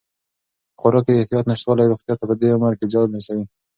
په خوراک کې د احتیاط نشتوالی روغتیا ته په دې عمر کې زیان رسوي.